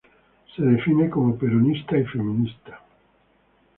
Se define como "peronista y feminista".